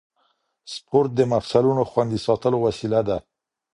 سپورت د مفصلونو خوندي ساتلو وسیله ده.